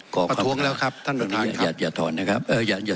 ครับท่านประธานครับอย่าอย่าทอนนะครับเอออย่าอย่า